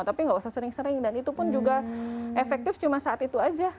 tapi nggak usah sering sering dan itu pun juga efektif cuma saat itu aja